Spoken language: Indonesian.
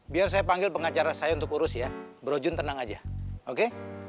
biar saya panggil pengacara saya untuk urus ya brojun tenang aja oke